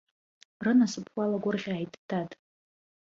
Рынасыԥ уалагәырӷьааит, дад!